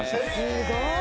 すごーい！